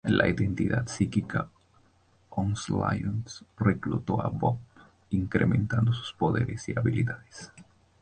La entidad psíquica Onslaught, reclutó a Blob, incrementando sus poderes y habilidades.